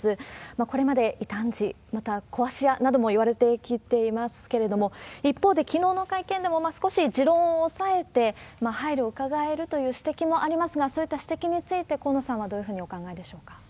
これまで異端児、また壊し屋などともいわれてきていますけれども、一方で、きのうの会見でも少し持論を押さえて、配慮をうかがえるという指摘もありますが、そういった指摘について、河野さんはどういうふうにお考えでしょうか？